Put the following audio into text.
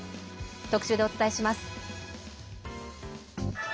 特集でお伝えします。